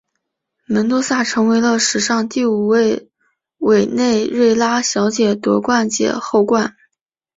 门多萨成为了史上第五位委内瑞拉小姐夺环姐后冠。